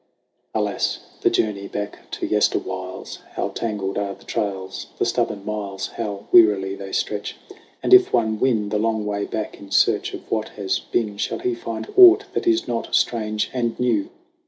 Alas, the journey back to yesterwhiles ! How tangled are the trails ! The stubborn miles, How wearily they stretch ! And if one win The long way back in search of what has been, Shall he find aught that is not strange and new